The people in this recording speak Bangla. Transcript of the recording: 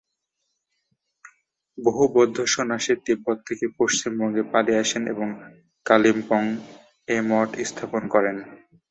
বহু বৌদ্ধ সন্ন্যাসী তিব্বত থেকে পশ্চিমবঙ্গে পালিয়ে আসেন এবং কালিম্পং-এ মঠ স্থাপনা করেন।